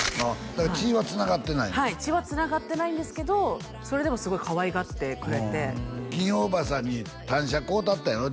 だから血はつながってない血はつながってないんですけどそれでもすごいかわいがってくれてギンおばさんに単車買うたったんやろ？